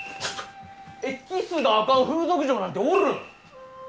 えっキスがあかん風俗嬢なんておるん？